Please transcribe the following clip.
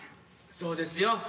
そうですよ。